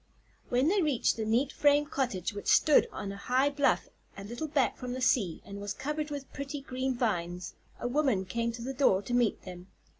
When they reached the neat frame cottage which stood on a high bluff a little back from the sea and was covered with pretty green vines, a woman came to the door to meet them.